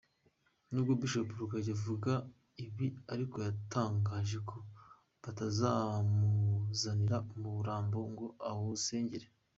Nubwo Bishop Rugagi avuga ibi ariko yatangaje ko batazamuzanira umurambo ngo awusengere.